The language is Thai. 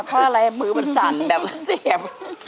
เพราะอะไรมือมันสั่นแบบมันเสียบ